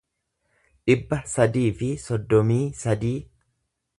dhibba sadii fi soddomii sadii